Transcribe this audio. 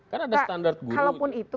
kan ada standar guru